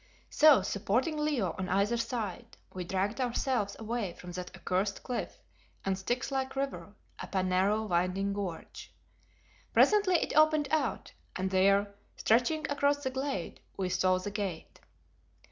So, supporting Leo on either side, we dragged ourselves away from that accursed cliff and Styx like river up a narrow, winding gorge. Presently it opened out, and there, stretching across the glade, we saw the Gate.